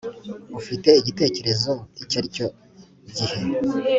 ufite igitekerezo icyo aricyo gihe